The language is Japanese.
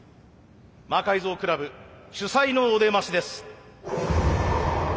魔改造倶楽部主宰のお出ましです。